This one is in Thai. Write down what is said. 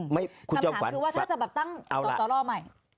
คำถามคือว่าถ้าจะตั้งต่อรอบใหม่